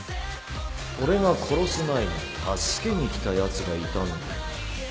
俺が殺す前に助けに来たやつがいたんだよ